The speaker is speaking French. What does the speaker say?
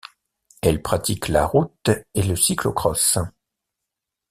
Elle pratique la route et le cyclo-cross.